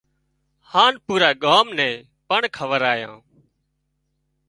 هانَ پُورا ڳام نين پڻ کورايان